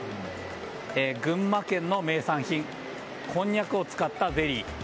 群馬県の名産品こんにゃくを使ったゼリー。